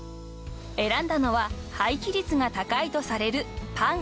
［選んだのは廃棄率が高いとされるパン］